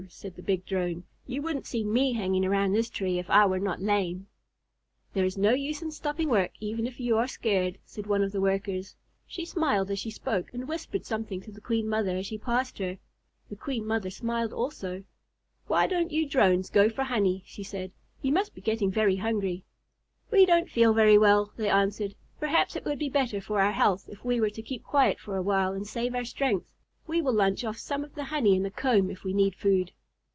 said the big Drone. "You wouldn't see me hanging around this tree if I were not lame." "There is no use in stopping work even if you are scared," said one of the Workers. She smiled as she spoke, and whispered something to the Queen Mother as she passed her. The Queen Mother smiled also. "Why don't you Drones go for honey?" she said. "You must be getting very hungry." "We don't feel very well," they answered. "Perhaps it would be better for our health if we were to keep quiet for a while and save our strength. We will lunch off some of the honey in the comb if we need food."